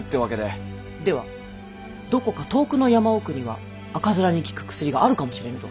ではどこか遠くの山奥には赤面に効く薬があるかもしれぬと。